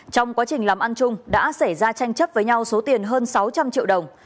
trong quá trình làm ăn chung đã xảy ra tranh chấp với nhau số tiền hơn sáu trăm linh triệu đồng